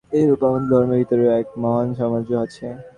এইরূপ আমাদের ধর্মের ভিতরেও এক মহান সামঞ্জস্য আছে।